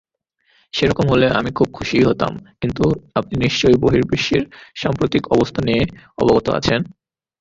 সেরকম হলে আমি খুশিই হতাম কিন্তু আপনি নিশ্চয়ই বহির্বিশ্বের সাম্প্রতিক অবস্থা নিয়ে অবগত আছেন?